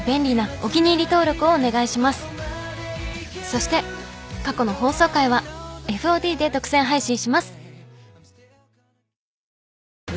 ［そして過去の放送回はＦＯＤで独占配信します］